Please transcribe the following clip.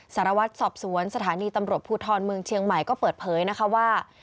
สารวัตรสอบสวนสถานีตำรวจภูทรเมืองเชียงใหม่ก็เปิดเผยนะคะว่า